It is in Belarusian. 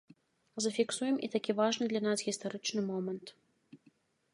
Зафіксуем і такі важны для нас гістарычны момант.